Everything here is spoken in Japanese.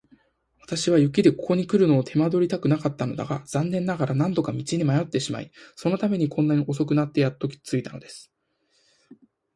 私は雪でここにくるのを手間取りたくなかったのだが、残念ながら何度か道に迷ってしまい、そのためにこんなに遅くなってやっと着いたのです。